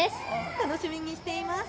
楽しみにしています。